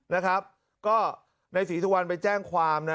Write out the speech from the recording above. นะครับก็ในศรีธุวันไปแจ้งความนะ